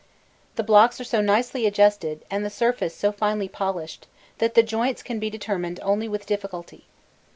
The blocks are so nicely adjusted, and the surface so finely polished, that the joints can be determined only with difficulty.